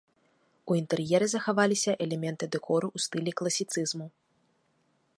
У інтэр'еры захаваліся элементы дэкору ў стылі класіцызму.